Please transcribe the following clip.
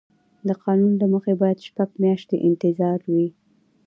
د قانون له مخې باید شپږ میاشتې انتظار وي.